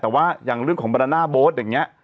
แต่ว่าอย่างเรื่องของบรรณาโบสต์อย่างนี้